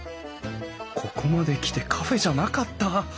ここまで来てカフェじゃなかった？